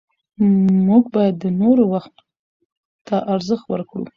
موږ باید د نورو وخت ته ارزښت ورکړو